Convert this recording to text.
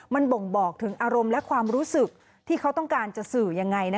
มันบ่งบอกถึงอารมณ์และความรู้สึกที่เขาต้องการจะสื่อยังไง